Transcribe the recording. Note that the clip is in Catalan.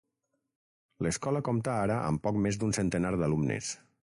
L'escola compta ara amb poc més d'un centenar d'alumnes.